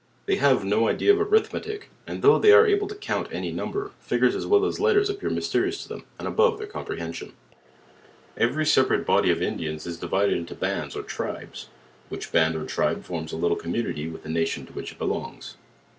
They have no idea of Arithmetic; and though they are able to count any number, figures as well as letters appear mysterious to them, and above their, comprehension. Every separate body of ludians, is.,, divide^, into bands or LEWIS AND CL\RKE. 57 tribes, which band or tribe forms a little comnr.unity with the nation to which it belongs.